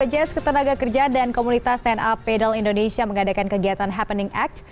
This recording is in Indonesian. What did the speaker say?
bpjs ketenaga kerjaan dan komunitas stand up pedal indonesia mengadakan kegiatan happening act